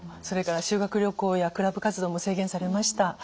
それから修学旅行やクラブ活動も制限されました。